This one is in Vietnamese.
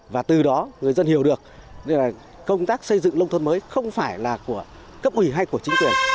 và từ đó người dân hiểu được công tác xây dựng nông thôn mới không phải là của cấp ủy hay của chính quyền